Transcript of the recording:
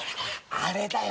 あれだよ。